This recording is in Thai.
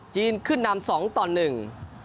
จีนขึ้นนำสองต่อหนึ่ง